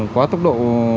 quá tốc độ